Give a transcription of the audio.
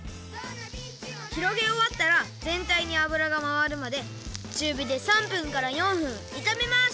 ひろげおわったらぜんたいにあぶらがまわるまでちゅうびで３分から４分いためます。